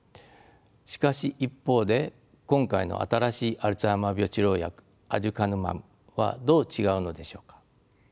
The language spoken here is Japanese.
しかし一方で今回の新しいアルツハイマー病治療薬アデュカヌマブはどう違うのでしょうか。